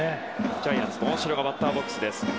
ジャイアンツの大城がバッターボックス。